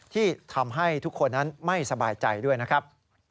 ที่ทำให้ทุกคนนั้นไม่สบายใจด้วยนะครับ